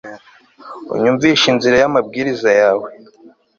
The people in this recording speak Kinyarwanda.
unyumvishe inzira y'amabwiriza yawe